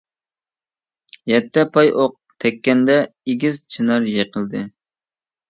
يەتتە پاي ئوق تەگكەندە، ئېگىز چىنار يىقىلدى.